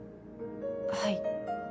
はい。